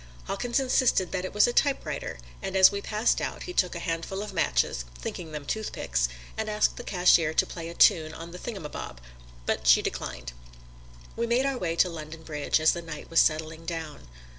Hawkins insisted that it was a typewriter, and as we passed out he took a handful of matches (thinking them toothpicks) and asked the cashier to play a tune on the thingumabob, but she declined. We made our way to London Bridge as the night was settling down.